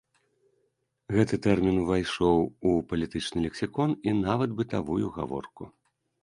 Гэты тэрмін увайшоў у палітычны лексікон і нават бытавую гаворку.